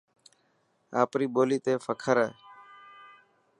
آپري ٻولي تي فخر هي.